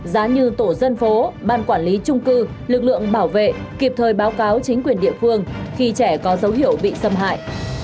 giá như tổ dân phố ban quản lý trung cư lực lượng bảo vệ kịp thời báo cáo chính quyền địa phương khi trẻ có dấu hiệu bị xâm hại